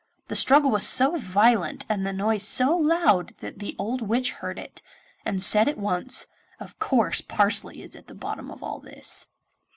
The struggle was so violent and the noise so loud that the old witch heard it, and said at once 'Of course Parsley is at the bottom of all this.